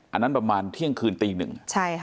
อันนั้นประมาณเที่ยงคืนตีหนึ่ง